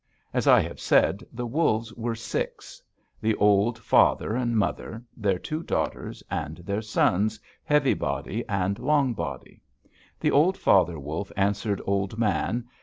"As I have said, the wolves were six: the old father and mother, their two daughters, and their sons, Heavy Body and Long Body. The old father wolf answered Old Man.